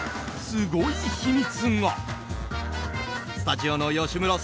すごい秘密？